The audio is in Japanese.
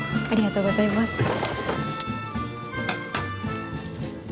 ありがとうございます